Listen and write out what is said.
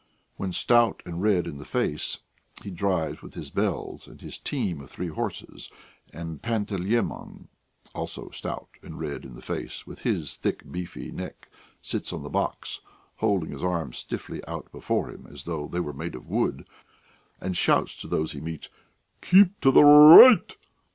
When stout and red in the face, he drives with his bells and his team of three horses, and Panteleimon, also stout and red in the face with his thick beefy neck, sits on the box, holding his arms stiffly out before him as though they were made of wood, and shouts to those he meets: "Keep to the ri i ight!"